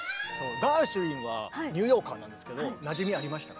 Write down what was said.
ガーシュウィンはニューヨーカーなんですけどなじみありましたか？